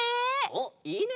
おっいいね！